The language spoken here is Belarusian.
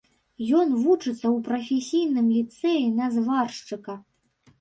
Ён вучыцца ў прафесійным ліцэі на зваршчыка.